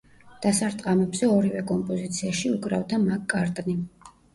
დასარტყამებზე ორივე კომპოზიციაში უკრავდა მაკ-კარტნი.